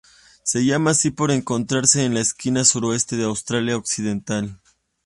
Se llama así por encontrarse en la esquina suroeste de Australia Occidental.